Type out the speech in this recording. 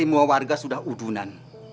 semua warga sudah udunan